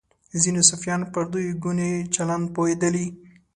ځینې صوفیان پر دوه ګوني چلند پوهېدلي.